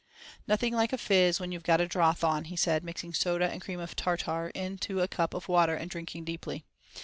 "Nothing like a fizz when you've got a drouth on," he said, mixing soda and cream of tartar into a cup of water, and drinking deeply.